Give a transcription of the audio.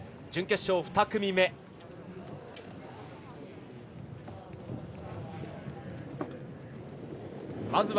準決勝２組目です。